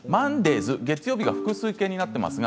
月曜日が複数形になっています。